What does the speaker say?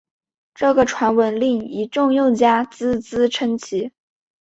这个传闻令一众用家啧啧称奇！